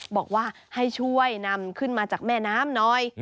บอกว่าให้ช่วยนำขึ้นมาจากแม่น้ำหน่อย